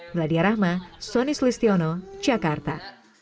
wladiyar rahma sonny celestiono jakarta